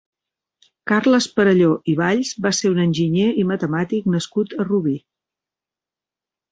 Carles Perelló i Valls va ser un enginyer i matemàtic nascut a Rubí.